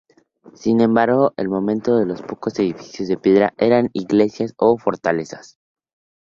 Sin embargo, en el momento los pocos edificios de piedra eran iglesias o fortalezas.